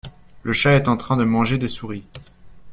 Le chat est en train de manger des souris.